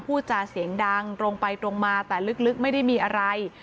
พูดจาเสียงดังตรงไปตรงมาแต่ลึกไม่ได้มีอะไร